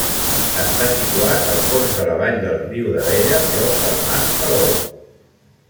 Està situat al fons de la vall del riu d'Abella, prop del Mas Palou.